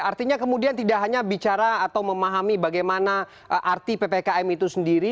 artinya kemudian tidak hanya bicara atau memahami bagaimana arti ppkm itu sendiri